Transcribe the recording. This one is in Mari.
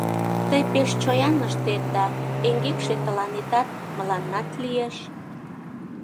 Тый пеш чоян ыштет да, эҥгекше тыланетат, мыланнат лиеш.